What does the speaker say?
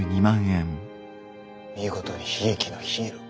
見事に悲劇のヒーロー。